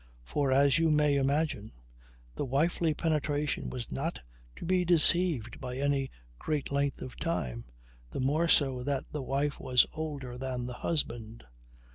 For, as you may imagine, the wifely penetration was not to be deceived for any great length of time the more so that the wife was older than the husband.